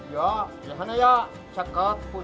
ya biasanya ya cekat pujol tampu cukup